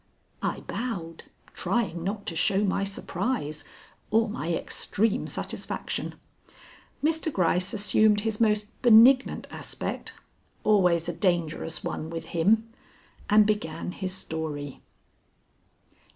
I bowed, trying not to show my surprise or my extreme satisfaction. Mr. Gryce assumed his most benignant aspect (always a dangerous one with him), and began his story.